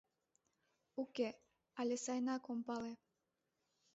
— Уке, але сайынак ом пале...